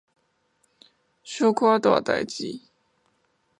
小可大代誌